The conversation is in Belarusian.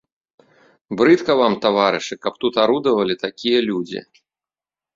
Брыдка вам, таварышы, каб тут арудавалі такія людзі.